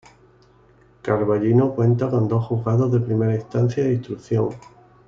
Carballino cuenta con dos Juzgados de Primera Instancia e Instrucción.